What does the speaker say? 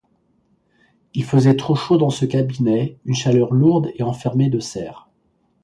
Il faisait trop chaud dans ce cabinet, une chaleur lourde et enfermée de serre.